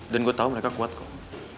dan gue tau mereka kuat kok